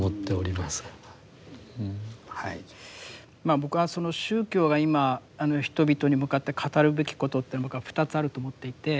僕は宗教が今人々に向かって語るべきことって僕は２つあると思っていて。